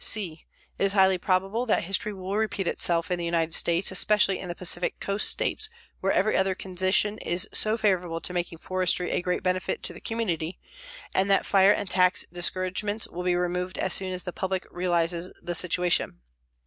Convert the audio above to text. (c) It is highly probable that history will repeat itself in the United States, especially in the Pacific coast states where every other condition is so favorable to making forestry a great benefit to the community, and that fire and tax discouragements will be removed as soon as the public realizes the situation.